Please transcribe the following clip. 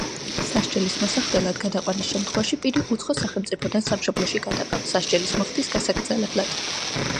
სასჯელის მოსახდელად გადაყვანის შემთხვევაში, პირი უცხო სახელმწიფოდან სამშობლოში გადაყავთ სასჯელის მოხდის გასაგრძელებლად.